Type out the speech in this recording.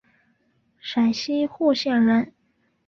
陕西户县人。